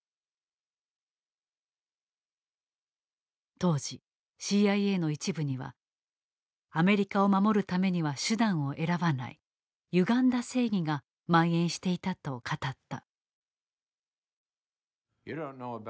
当時ＣＩＡの一部にはアメリカを守るためには手段を選ばない「ゆがんだ正義」がまん延していたと語った。